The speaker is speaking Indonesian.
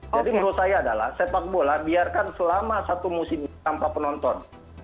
menurut saya adalah sepak bola biarkan selama satu musim tanpa penonton